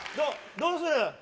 どうする？